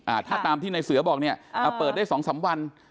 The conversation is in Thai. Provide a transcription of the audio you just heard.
ถ้าตามที่ในเสือบอกเนี้ยอ่าเปิดได้สองสามวัน